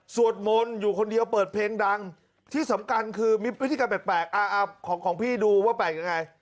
สวดมนต์อยู่คนเดียวเปิดเพลงดังที่สำคัญคือมีพฤติกรรมแปลกของพี่ดูว่าแปลกยังไง